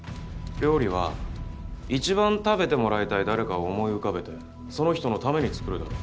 料理は一番食べてもらいたい誰かを思い浮かべてその人のために作るだろ。